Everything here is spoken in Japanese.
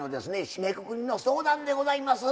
締めくくりの相談でございます。